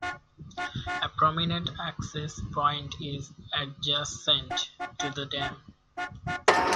A prominent access point is adjacent to the dam.